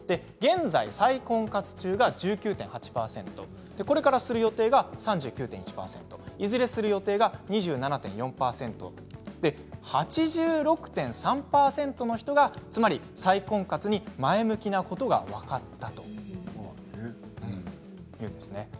現在、再婚活中が１９．８％これからする予定が３９．１％いずれする予定が２７．４％。８６．３％の人がつまり再婚活に前向きなことが分かったというんですね。